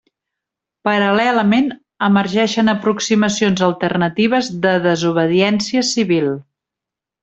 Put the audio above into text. Paral·lelament emergeixen aproximacions alternatives de desobediència civil.